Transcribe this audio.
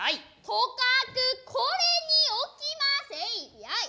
とかくこれに置きませいヤイ。